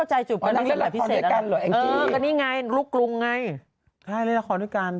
ใช่เล่นละครด้วยกัน